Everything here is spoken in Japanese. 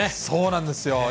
そうなんですよ。